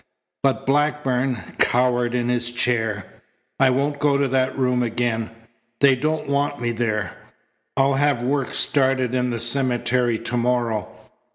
But Blackburn cowered in his chair. "I won't go to that room again. They don't want me there. I'll have work started in the cemetery to morrow."